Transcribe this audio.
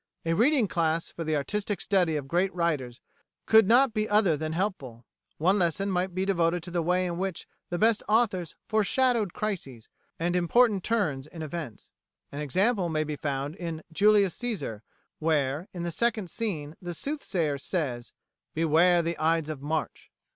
A reading class for the artistic study of great writers could not be other than helpful. One lesson might be devoted to the way in which the best authors foreshadowed crises and important turns in events. An example may be found in "Julius Cæsar," where, in the second scene, the soothsayer says: "Beware the Ides of March!"